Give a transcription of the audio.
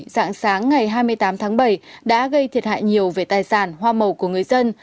dạng sáng ngày hai mươi tám tháng bảy đã gây thiệt hại nhiều về tài sản hoa màu của người dân